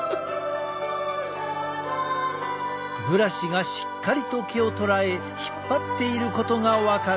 ブラシがしっかりと毛をとらえ引っ張っていることが分かる。